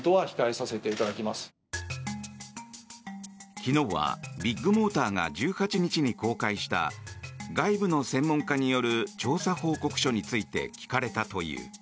昨日は、ビッグモーターが１８日に公開した外部の専門家による調査報告書について聞かれたという。